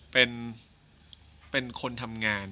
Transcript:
เป็นคนทำงาน